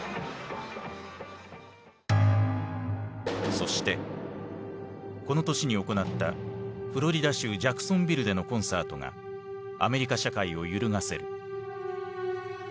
そしてこの年に行ったフロリダ州ジャクソンビルでのコンサートがアメリカ社会を揺るがせる。